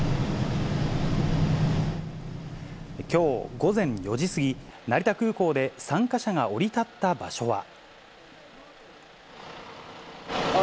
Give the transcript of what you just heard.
きょう午前４時過ぎ、成田空港で参加者が降り立った場所は。